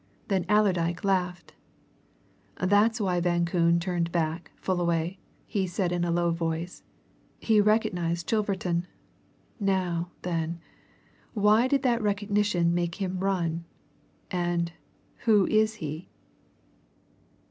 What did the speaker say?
Then Allerdyke laughed. "That's why Van Koon turned back, Fullaway," he said in a low voice. "He recognized Chilverton. Now, then why did that recognition make him run? And who is he?"